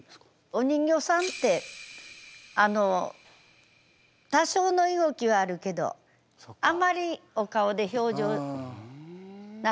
お人形さんって多少の動きはあるけどあまりお顔で表情なさらない。